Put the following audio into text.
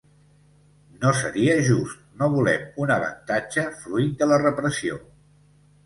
No seria just, no volem un avantatge fruit de la repressió.